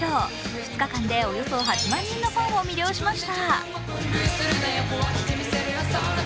２日間でおよそ８万人のファンを魅了しました。